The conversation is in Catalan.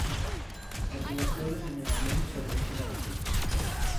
Els elèctrodes generalment s'adhereixen a la pell.